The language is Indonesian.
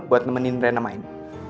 buat nemenin rena main